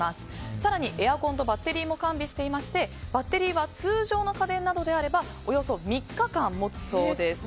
更にエアコンとバッテリーも完備していましてバッテリーは通常の家電などであればおよそ３日間もつそうです。